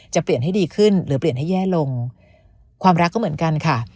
จะเปลี่ยนให้ดีขึ้นหรือเปลี่ยนให้แย่ลงความรักก็เหมือนกันค่ะ